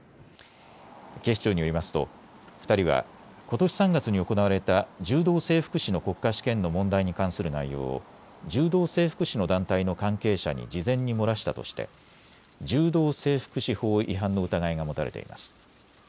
警視庁によりますと２人はことし３月に行われた柔道整復師の国家試験の問題に関する内容を柔道整復師の団体の関係者に事前に漏らしたとして柔道整復師法違反の疑いが持たれています。